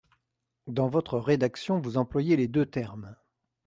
Dans votre rédaction, vous employez les deux termes.